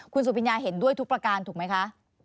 คุณสุพิญญาเห็นด้วยทุกประการถูกไหมคะ